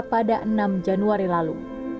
pada enam januari lalu